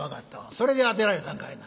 それで当てられたんかいな。